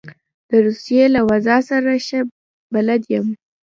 د روسیې له وضع سره ښه بلد یم.